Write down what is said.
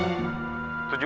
oke bentar ya